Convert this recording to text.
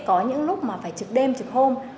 có những lúc mà phải trực đêm trực hôm